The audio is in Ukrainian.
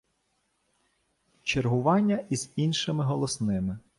Чергування і з іншими голосними